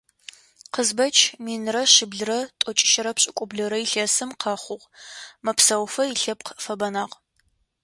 Къызбэч минрэ шъиблрэ тӀокӀищырэ пшӀыкӀублырэ илъэсым къэхъугъ, мэпсэуфэ илъэпкъ фэбэнагъ.